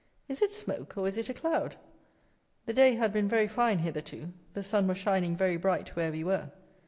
is it smoke, or is it a cloud?" The day had been very fine hitherto; the sun was shining very bright where we were.